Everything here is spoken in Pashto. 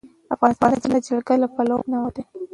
افغانستان د جلګه له پلوه متنوع دی.